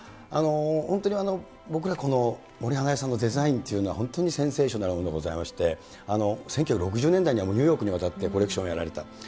本当に僕ら、森英恵さんのデザインというのは本当にセンセーショナルでございまして、１９６０年代にはニューヨークに渡ってコレクションをやられた。